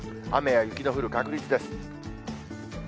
雨や雪の降る確率です。